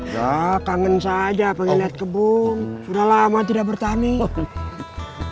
ya kangen saja pengen liat kebun sudah lama tidak bertahun tahun